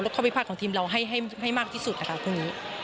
แล้วเข้าไปพักของทีมเราให้มากที่สุดอันดับพรุ่งนี้